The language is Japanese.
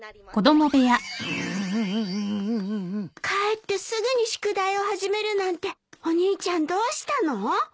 帰ってすぐに宿題を始めるなんてお兄ちゃんどうしたの？